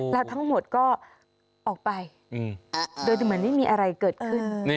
แล้วทั้งหมดก็ออกไปโดยเหมือนไม่มีอะไรเกิดขึ้น